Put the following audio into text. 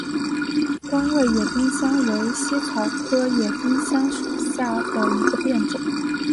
光萼野丁香为茜草科野丁香属下的一个变种。